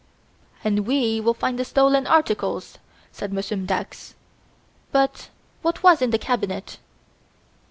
"And we will find the stolen articles," said Monsieur Dax. "But what was in the cabinet?"